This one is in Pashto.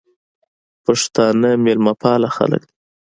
پښتانه میلمه پاله خلک دي